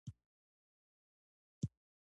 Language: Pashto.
د نومبر په دولسمه